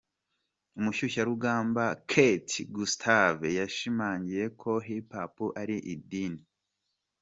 Umushyushyarugamba Kate Gustave yashimangiye ko Hip Hop ari idini.